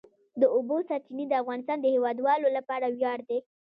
د اوبو سرچینې د افغانستان د هیوادوالو لپاره ویاړ دی.